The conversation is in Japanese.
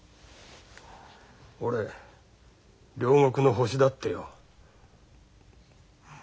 俺両国の星だってよ。